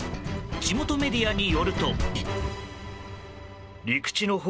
地元メディアによると。